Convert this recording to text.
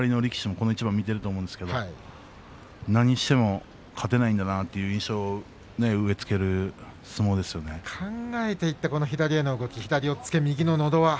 この一番見てると思いますが何をしても勝てないんだなという印象を考えていった左の動きそして、右ののど輪